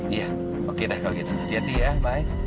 iya oke dah kalau gitu hati hati ya mai